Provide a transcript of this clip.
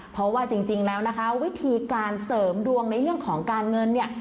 เพราะว่าจริงแล้วนะคะวิธีการเสริมดวงในเรื่องของการเงินเนี่ย